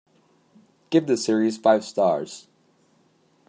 Give this series five stars.